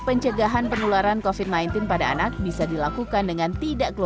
pencegahan penularan covid sembilan belas pada anak bisa dilakukan dengan tidak keluar